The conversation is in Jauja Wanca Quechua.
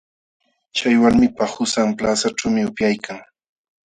Chay walmipa qusan plazaćhuumi upyaykan.